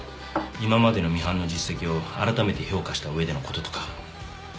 今までのミハンの実績をあらためて評価した上でのこととか。